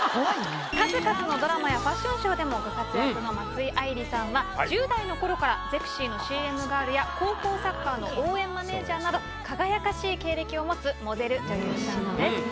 数々のドラマやファッションショーでもご活躍の松井愛莉さんは１０代のころから『ゼクシィ』のＣＭガールや高校サッカーの応援マネジャーなど輝かしい経歴を持つモデル女優さんです。